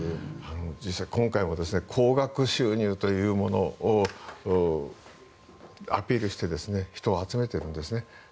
実際、今回も高額収入というものをアピールして人を集めているんですね。